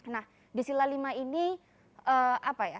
nah di sila lima ini apa ya